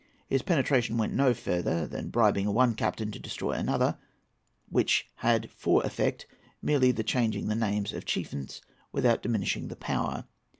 His penetration went no further than bribing one captain to destroy another; which had for effect merely the changing the names of chieftains without diminishing the power.